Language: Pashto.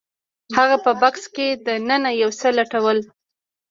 هغه په بکس کې دننه یو څه لټول